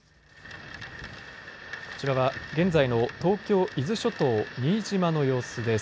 こちらは現在の東京伊豆諸島新島の様子です。